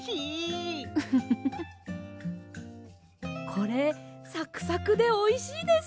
これサクサクでおいしいです。